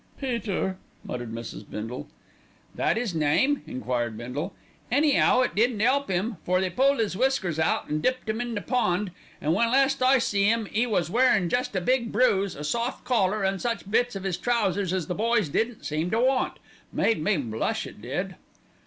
"Peter!" muttered Mrs. Bindle. "That 'is name?" enquired Bindle. "Any'ow it didn't 'elp 'im, for they pulled 'is whiskers out and dipped 'im in the pond, an' when last I see 'im 'e was wearin' jest a big bruise, a soft collar an' such bits of 'is trousers as the boys didn't seem to want. Made me blush it did."